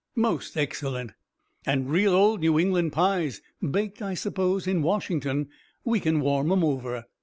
"Most excellent." "And real old New England pies, baked, I suppose, in Washington. We can warm 'em over."